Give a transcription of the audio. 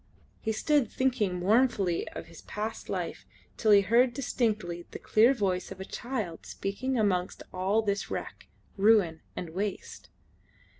He stood thinking mournfully of his past life till he heard distinctly the clear voice of a child speaking amongst all this wreck, ruin, and waste.